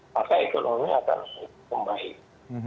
maka ekonominya akan membaik